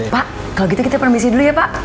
pak kalau gitu kita permisi dulu ya pak